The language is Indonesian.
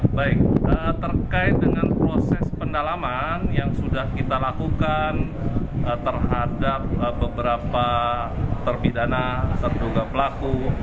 baik terkait dengan proses pendalaman yang sudah kita lakukan terhadap beberapa terpidana terduga pelaku